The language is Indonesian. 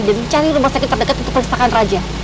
dan mencari rumah sakit terdekat untuk peristakan raja